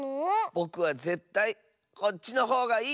ぼくはぜったいこっちのほうがいい！